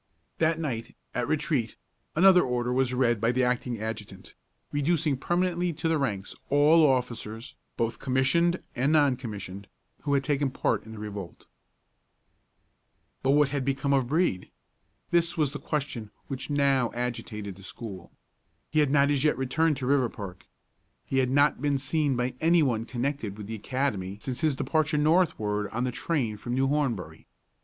That night, at retreat, another order was read by the acting adjutant, reducing permanently to the ranks all officers, both commissioned and non commissioned, who had taken part in the revolt. But what had become of Brede? This was the question which now agitated the school. He had not as yet returned to Riverpark. He had not been seen by any one connected with the academy since his departure northward on the train from New Hornbury.